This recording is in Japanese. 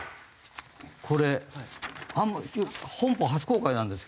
これ本邦初公開なんですけども。